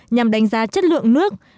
nhằm đánh giá chất lượng nước